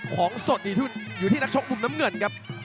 ของสดอยู่ที่นักชกบุมน้ำเหงื่อนครับ